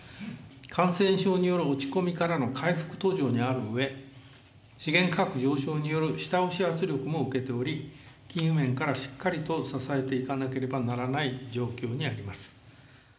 感染症による落ち込みからの回復途上にあるうえ、資源価格上昇による下押し圧力も受けており、金融面からしっかりと支えていかなければならない状況にあります。